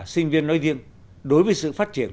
sinh viên nơi riêng đối với sự phát triển